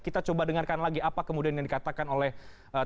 kita coba dengarkan lagi apa kemudian yang dikatakan oleh